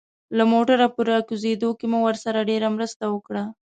له موټره په راکوزېدو کې مو ورسره ډېره مرسته وکړه.